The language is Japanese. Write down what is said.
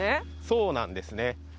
そうなんですね。